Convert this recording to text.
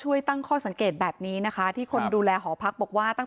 หรือว่าเด็กตกมาเอง